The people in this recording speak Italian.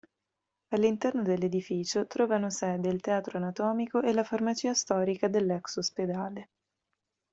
All'interno dell'edificio trovano sede il Teatro Anatomico e la farmacia storica dell'ex ospedale.